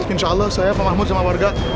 insyaallah saya pak mahmud sama warga